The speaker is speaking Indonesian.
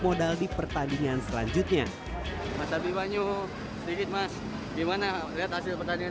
modal di pertandingan selanjutnya mas habib sedikit mas gimana lihat hasil pertandingan